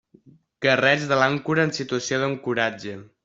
Garreig de l'àncora en situació d'ancoratge.